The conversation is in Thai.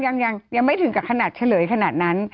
ยังไม่ถึงกับขนาดเฉลยขนาดนั้น